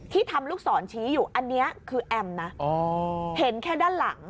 ทำลูกศรชี้อยู่อันนี้คือแอมนะเห็นแค่ด้านหลัง